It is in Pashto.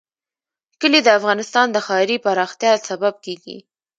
کلي د افغانستان د ښاري پراختیا سبب کېږي.